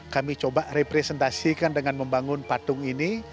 kami coba representasikan dengan membangun patung ini